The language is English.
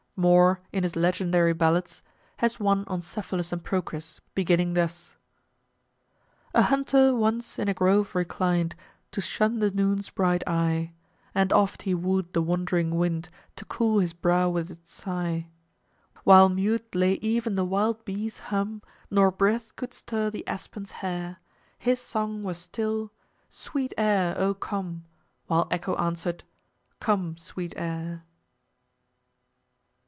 Moore, in his "Legendary Ballads," has one on Cephalus and Procris, beginning thus: "A hunter once in a grove reclined, To shun the noon's bright eye, And oft he wooed the wandering wind To cool his brow with its sigh While mute lay even the wild bee's hum, Nor breath could stir the aspen's hair, His song was still, 'Sweet Air, O come!' While Echo answered, 'Come, sweet Air!'"